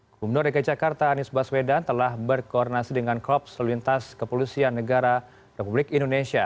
bumur dg jakarta anies baswedan telah berkoordinasi dengan krups lelintas kepolisian negara republik indonesia